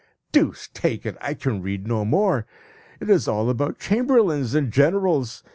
Deuce take it! I can read no more. It is all about chamberlains and generals.